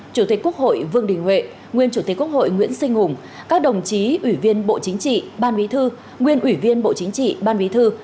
chủ tịch quốc hội vương đình huệ nguyên chủ tịch quốc hội nguyễn sinh hùng các đồng chí ủy viên bộ chính trị ban bí thư nguyên ủy viên bộ chính trị ban bí thư